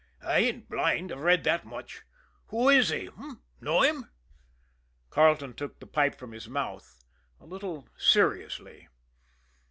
"I ain't blind! I've read that much. Who is he h'm? Know him?" Carleton took the pipe from his mouth a little seriously.